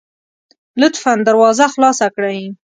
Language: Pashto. لطفا دروازه خلاصه کړئ